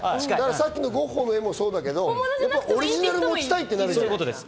さっきのゴッホの絵もそうだけど、オリジナルを持ちたいって。